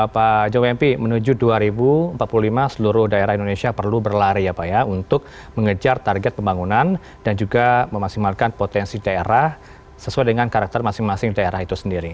pak jowempi menuju dua ribu empat puluh lima seluruh daerah indonesia perlu berlari ya pak ya untuk mengejar target pembangunan dan juga memaksimalkan potensi daerah sesuai dengan karakter masing masing daerah itu sendiri